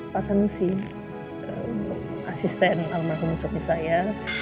pak sanusi untuk asisten almarhum suami saya